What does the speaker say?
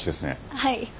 はい。